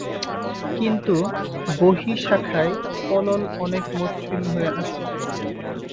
কিন্তু "বহিঃ শাখা"য় পলল অনেক মসৃণ হয়ে আসে।